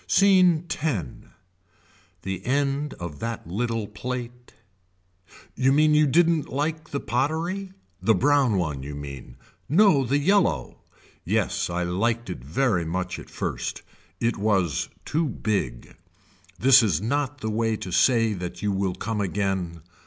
Scene X. The end of that little plate. You mean you didn't like the pottery. The brown one you mean. No the yellow. Yes I liked it very much at first. It was too big. This is not the way to say that you will come again.